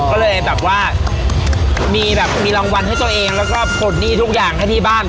ก็เลยแบบว่ามีแบบมีรางวัลให้ตัวเองแล้วก็ปลดหนี้ทุกอย่างให้ที่บ้าน